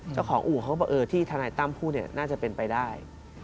เจ้าของอู่เขาก็บอกที่ทนายตั้มผู้น่าจะเป็นไปได้